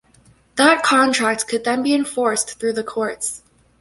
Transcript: That contract could then be enforced through the courts.